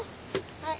はい。